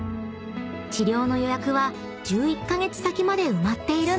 ［治療の予約は１１カ月先まで埋まっているんだそう］